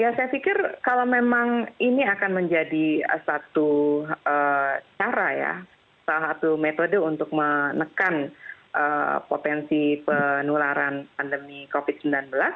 ya saya pikir kalau memang ini akan menjadi satu cara ya salah satu metode untuk menekan potensi penularan pandemi covid sembilan belas